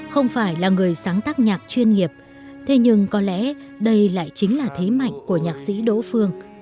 không phải là người sáng tác nhạc chuyên nghiệp thế nhưng có lẽ đây lại chính là thế mạnh của nhạc sĩ đỗ phương